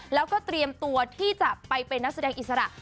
แล้วก็เตรียมตัวที่จะไปเป็นนักแสดงอิสระ